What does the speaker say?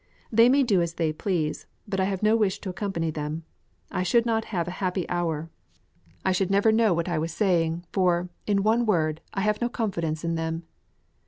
They may do as they please, but I have no wish to accompany them; I should not have a happy hour, I should never know what I was saying; for, in one word, I have no confidence in them.